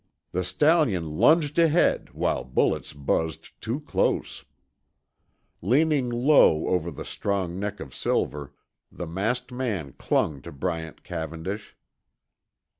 The stallion lunged ahead while bullets buzzed too close. Leaning low over the strong neck of Silver, the masked man clung to Bryant Cavendish.